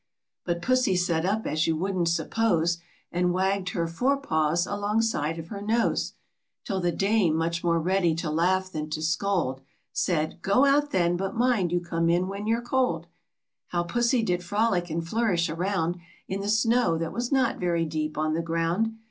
'' But Pussy sat up as you wouldn't suppose, And wagged her fore paws alongside of her nose, Till the Dame, much more ready to laugh than to scold, Said, " Go out then ; but mind you come in when you're cold How Pussy did frolic and flourish around In the snow, that was not very deep on the ground